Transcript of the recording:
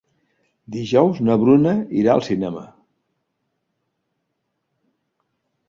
Dijous na Bruna irà al cinema.